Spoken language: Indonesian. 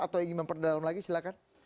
atau ingin memperdalam lagi silakan